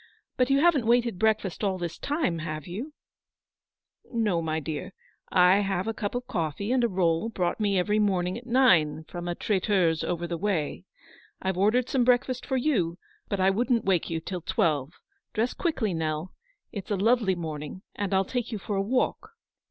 But you haven't waited breakfast all this time, have vou ?"" No, my dear. I have a cup of coffee and a roll brought me every morning at nine from a TOL. I. F 66 traiteur's over the way. Fve ordered some break fast for you, but I wouldn't wake you till twelve. Dress quickly, Nell. It's a lovely morning, and I'll take you for a walk."